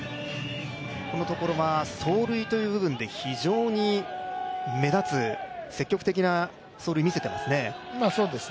このところ走塁という部分で非常に目立つ積極的な走塁見せてますね。